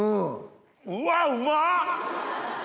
うわうまっ！